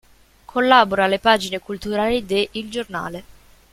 Collabora alle pagine culturali de "Il Giornale".